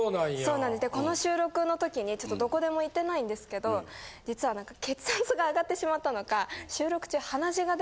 そうなんですこの収録の時にちょっとどこでも言ってないんですけど実は血圧が上がってしまったのか。